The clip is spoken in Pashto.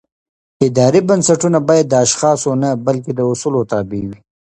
اداري بنسټونه باید د اشخاصو نه بلکې د اصولو تابع وي